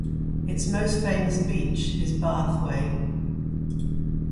Its most famous beach is Bathway.